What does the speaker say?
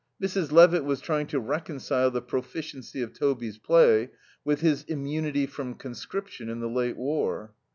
Mrs. Levitt was trying to reconcile the proficiency of Toby's play with his immunity from conscription in the late war.